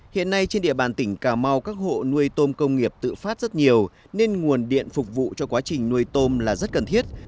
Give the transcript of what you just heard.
hiện nay trên địa bàn tỉnh cà mau các hộ nuôi tôm công nghiệp tự phát rất nhiều nên nguồn điện phục vụ cho quá trình nuôi tôm là rất cần thiết